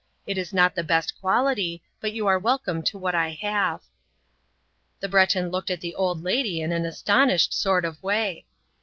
It's not the best quality but you're welcome to what I have." The Breton looked at the old lady in an astonished sort of way.